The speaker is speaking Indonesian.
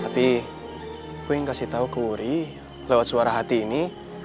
tapi gue ingin kasih tau ke wuri lewat suara hati ini